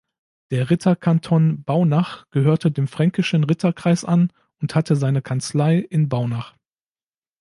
Der Ritterkanton Baunach gehörte dem fränkischen Ritterkreis an und hatte seine Kanzlei in Baunach.